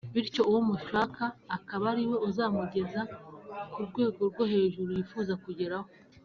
bityo uwo mushya akaba ariwe uzamugeza ku rwego rwo hejuru yifuza kugeraho